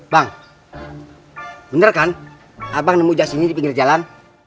bang bener kan abang nemu jas ini di pinggir jalan